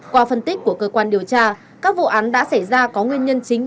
qua phân tích của cơ quan điều tra các vụ án đã xảy ra có nguyên nhân chính